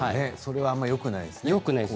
それはあまりよくないと。